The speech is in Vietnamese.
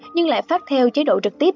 nhưng lại phát theo chế độ trực tiếp